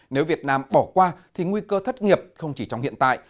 nếu việt nam bỏ qua thì nguy cơ thất nghiệp không chỉ trong hiện tại